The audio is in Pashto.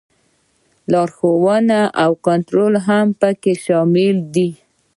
لارښوونه او کنټرول هم پکې شامل دي.